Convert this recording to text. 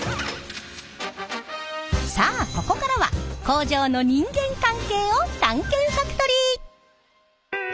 さあここからは工場の人間関係を探検ファクトリー！